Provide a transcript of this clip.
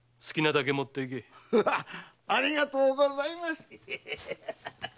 ありがとうございます。